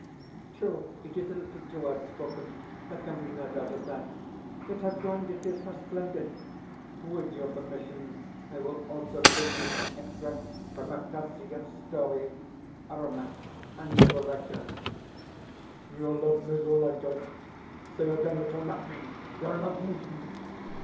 True, it is a little too outspoken there can be no doubt of that; yet how grand it is, how splendid! With your permission I will also quote you an extract from Rataziaev's story, Ermak and Zuleika: "'You love me, Zuleika? Say again that you love me, you love me!